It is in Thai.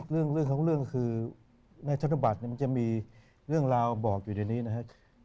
เรื่องของเรื่องคือในธนบัตรมันจะมีเรื่องราวบอกอยู่ในนี้นะครับ